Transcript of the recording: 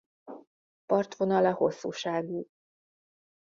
Partvonala hosszúságú.